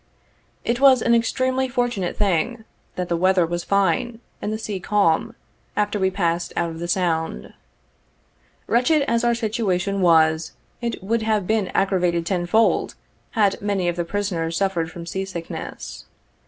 It was an extremely fortunate thing, that the weather was fine, and the sea calm, after we passed out of the Sound. Wretched as our situation was, it would have heen aggravated ten fold, had many of the prisoners suffered from sea sickness.